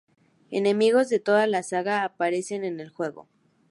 Enemigos de toda la saga aparecen en el juego.